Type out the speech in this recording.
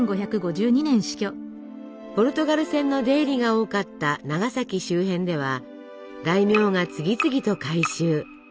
ポルトガル船の出入りが多かった長崎周辺では大名が次々と改宗。